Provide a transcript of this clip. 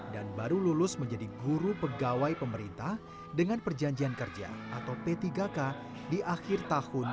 dan baru lulus menjadi guru pegawai pemerintah dengan perjanjian kerja atau p tiga k di akhir tahun dua ribu dua puluh satu